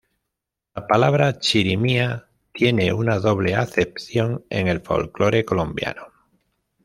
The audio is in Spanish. La palabra chirimía tiene una doble acepción en el folclore colombiano.